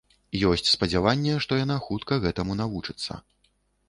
Ёсць спадзяванне, што яна хутка гэтаму навучыцца.